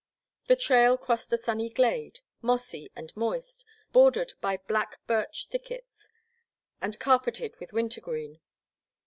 The trail crossed a sunny glade, mossy and moist, bordered by black birch thickets and car peted with winter green.